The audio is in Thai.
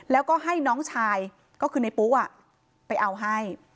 แล้วก็ให้น้องชายก็คือในปุ๊ไปเอาให้